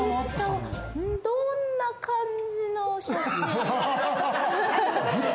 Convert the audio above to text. どんな感じの写真？